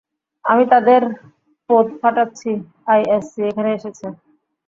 আমি তাদের পোঁদ ফাটাচ্ছি, আইএসসি এখানে এসেছে!